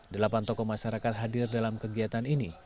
delapan tokoh masyarakat hadir dalam kegiatan ini